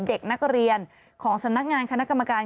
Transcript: เด็กนักเรียนของสำนักงานคณะกรรมการ